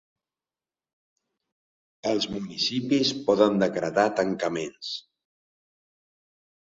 Els municipis poden decretar tancaments.